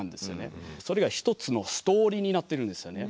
それが一つのストーリーになってるんですよね。